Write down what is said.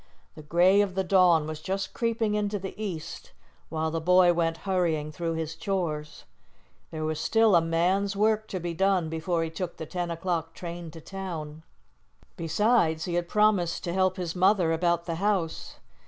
The gray of the dawn was just creeping into the east, while the boy went hurrying through his chores. There was still a man's work to be done before he took the ten o'clock train to town; besides, he had promised to help his mother about the house.